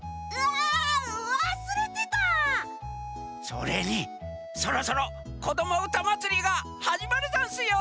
それにそろそろ「こどもうたまつり」がはじまるざんすよ！